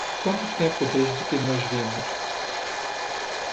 Quanto tempo desde que nos vimos?